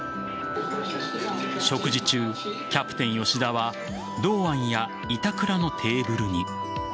食事中、キャプテン・吉田は堂安や板倉のテーブルに。